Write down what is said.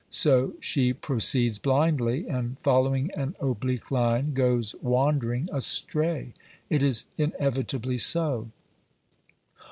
So she pro ceeds blindly, and, following an oblique line, goes wander ing astray. It is inevitably so.